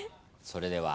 それでは。